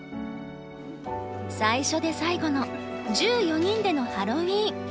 最初で最後の１４人でのハロウィーン。